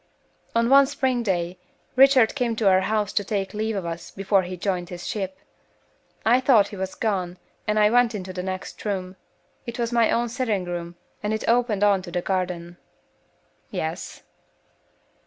"One spring day Richard came to our house to take leave of us before he joined his ship. I thought he was gone, and I went into the next room. It was my own sitting room, and it opened on to the garden." "Yes?"